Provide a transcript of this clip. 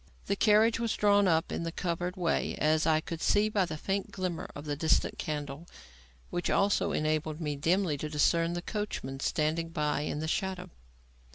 The carriage was drawn up in the covered way as I could see by the faint glimmer of the distant candle; which also enabled me dimly to discern the coachman standing close by in the shadow.